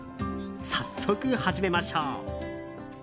早速、始めましょう。